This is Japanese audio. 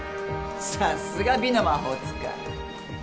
さすが美の魔法使い。